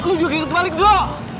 lu juga inget balik dulu